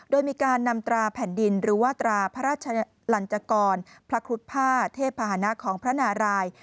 โดยมีการนำตราแผ่นดินหรือว่าตราพระราชลันจกรพระครุฑผ้าเทพภาษณะของพระนาราย